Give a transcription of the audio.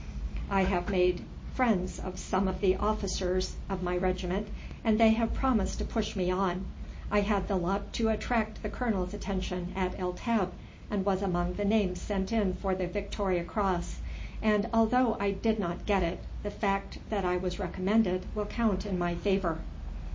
I have made friends of some of the officers of my regiment, and they have promised to push me on. I had the luck to attract the colonel's attention at El Teb, and was among the names sent in for the Victoria Cross; and although I did not get it, the fact that I was recommended will count in my favour."